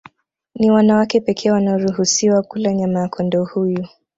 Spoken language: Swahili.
Ni wanawake pekee wanaoruhusiwa kula nyama ya kondoo huyu